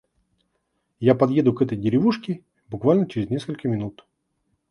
Я подъеду к этой деревушке буквально через несколько минут.